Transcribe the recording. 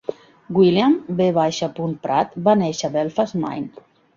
William V. Pratt va néixer a Belfast, Maine.